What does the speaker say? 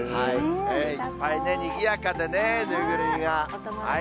いっぱいに、にぎやかでね、縫いぐるみが。